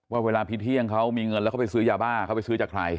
ว่าเวลาพี่เที่ยงเขามีเงินแล้วเขาไปซื้อยาบ้าเขาไปซื้อจากใคร